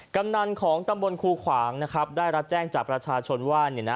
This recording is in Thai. กำนันของตำบลครูขวางนะครับได้รับแจ้งจากประชาชนว่าเนี่ยนะ